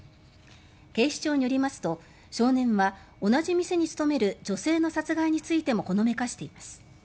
警視庁によりますと少年は同じ店に勤める女性の殺害についてもほのめかしています。